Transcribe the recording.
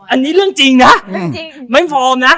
อันนี้เรื่องจริงนะไม่ฟอร์มนะ